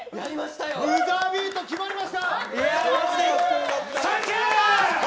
ブザービート決まりました。